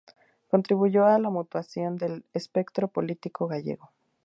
Contribuyó a la mutación del espectro político gallego.